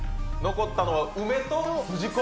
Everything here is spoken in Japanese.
残ったのは梅とすじこ。